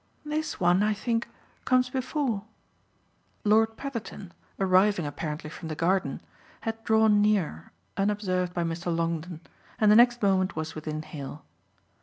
"This one, I think, comes before." Lord Petherton, arriving apparently from the garden, had drawn near unobserved by Mr. Longdon and the next moment was within hail.